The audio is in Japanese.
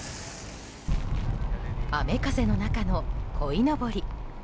雨風の中のこいのぼり。